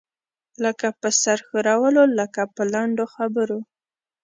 لکه په سر ښورولو، لکه په لنډو خبرو.